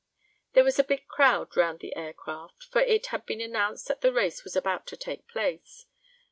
There was a big crowd around the air craft, for it had been announced that a race was about to take place.